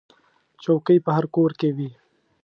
چوکۍ په هر کور کې وي.